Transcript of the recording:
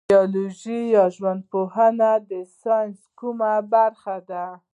بیولوژي یا ژوند پوهنه د ساینس کومه برخه ده